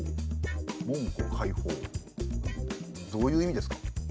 どういう意味ですか？